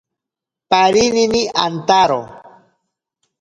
Parinini antaro.